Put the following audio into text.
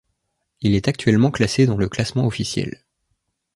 Il est actuellement classé dans le classement officiel.